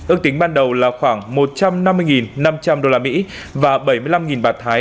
ước tính ban đầu là khoảng một trăm năm mươi năm trăm linh usd và bảy mươi năm bạt thái